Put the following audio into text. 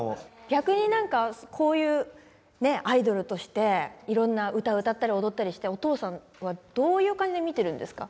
逆に何かこういうアイドルとしていろんな歌歌ったり踊ったりしてお父さんはどういう感じで見てるんですか？